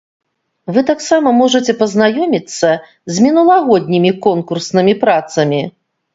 Вы таксама можаце пазнаёміцца з мінулагоднімі конкурснымі працамі.